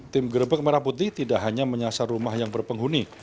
tim gerebek merah putih tidak hanya menyasar rumah yang berpenghuni